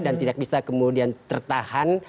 dan tidak bisa kemudian tertahan